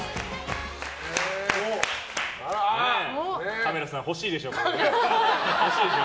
カメラさん、欲しいでしょ。